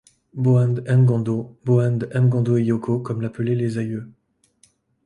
Boende Ngongo, Boende Ngong'eyoko comme l'appelait les aïeux.